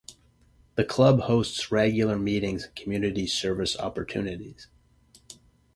The club hosts regular meetings and community service opportunities.